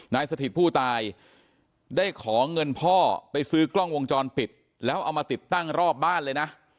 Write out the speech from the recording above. สถิตผู้ตายได้ขอเงินพ่อไปซื้อกล้องวงจรปิดแล้วเอามาติดตั้งรอบบ้านเลยนะ